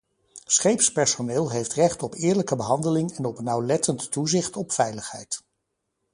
Scheepspersoneel heeft recht op eerlijke behandeling en op nauwlettend toezicht op veiligheid.